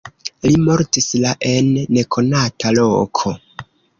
Li mortis la en nekonata loko.